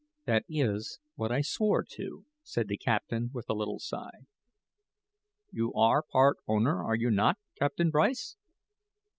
"That is what I swore to," said the captain, with a little sigh. "You are part owner, are you not, Captain Bryce?"